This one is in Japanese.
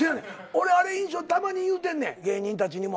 俺たまに言うてんねん芸人たちにも。